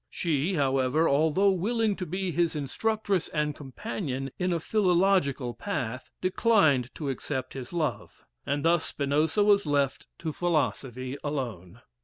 She, however, although willing to be his instructress and companion in a philogical path, declined to accept his love, and thus Spinoza was left to philosophy alone.